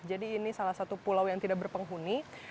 jadi ini salah satu pulau yang tidak berpenghuni